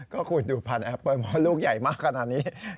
ก็คุณดูพันธแอปเปอร์มอนลูกใหญ่มากขนาดนี้